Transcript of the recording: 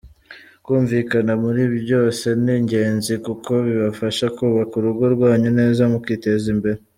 Kumvikana muri byose ni igenzi kuko bibafasha kubaka urugo rwanyu neza mukiteza imbere.